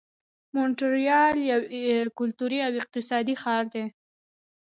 مونټریال یو کلتوري او اقتصادي ښار دی.